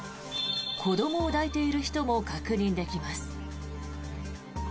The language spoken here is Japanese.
子どもを抱いている人も確認できます。